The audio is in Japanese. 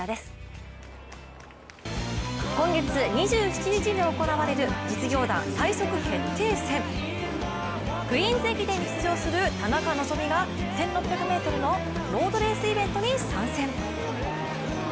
今月２７日に行われる実業団最速決定戦、クイーンズ駅伝に出場する田中希実が１６００ｍのロードレースイベントに参戦。